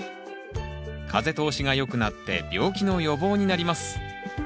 風通しが良くなって病気の予防になります。